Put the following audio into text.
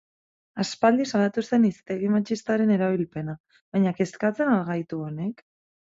Aspaldi salatu zen hiztegi matxistaren erabilpena, baina kezkatzen al gaitu honek?